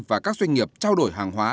và các doanh nghiệp trao đổi hàng hóa